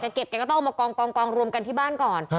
แกเก็บแกก็ต้องเอามากองรวมกันที่บ้านก่อน